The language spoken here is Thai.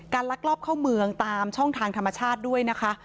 ลักลอบเข้าเมืองตามช่องทางธรรมชาติด้วยนะคะ